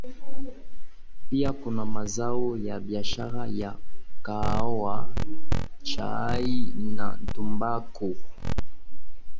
Pia kuna mazao ya biashara ya Kahawa Chai na Tumbaku